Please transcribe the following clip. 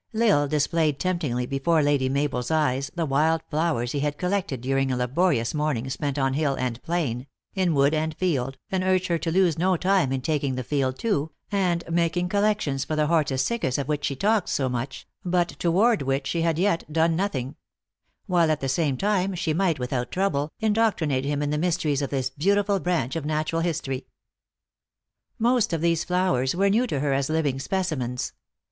L Isle displayed temptingly before Lady Ma bel s eyes the wild flowers he had collected during a laborious morning spent on hill and plain, in wood and field, and urged her to lose no time in taking the field too, and making collections for the liwius siccus of which she talked so much, but toward which she had yet done nothing ; while at the same time, she might, without trouble, indoctrinate him in the mys teries of this beautiful branch of natural history. Most of these flowers were new to her as living speci mens.